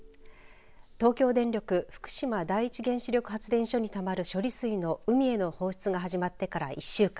東京電力福島第一原子力発電所にたまる処理水の海への放出が始まってから１週間。